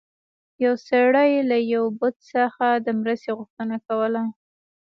یو سړي له یو بت څخه د مرستې غوښتنه کوله.